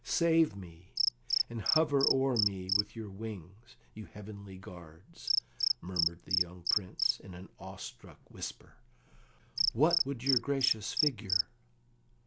"Save me, and hover o'er me with your wings, you heavenly guards!" murmured the young Prince, in an awestruck whisper. "What would your gracious figure?"